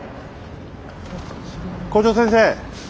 校長先生。